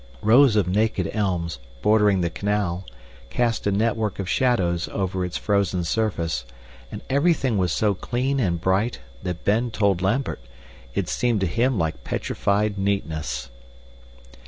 Rows of naked elms, bordering the canal, cast a network of shadows over its frozen surface, and everything was so clean and bright that Ben told Lambert it seemed to him like petrified neatness.